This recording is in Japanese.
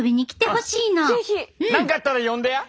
何かあったら呼んでや？